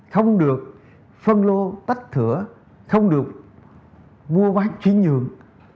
không được phân lô tách thửa không được mua bán chuyển nhượng